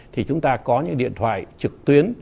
thì chúng ta có những điện thoại trực tuyến